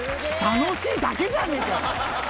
楽しいだけじゃねえか！